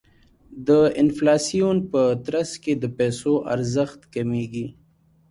د انفلاسیون په ترڅ کې د پیسو ارزښت کمیږي.